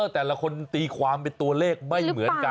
แต่ละคนตีความเป็นตัวเลขไม่เหมือนกัน